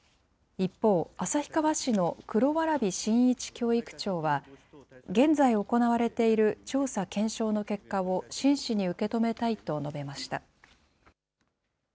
一方、旭川市の黒蕨真一教育長は、現在行われている調査検証の結果を真摯に受け止めたいと述べました。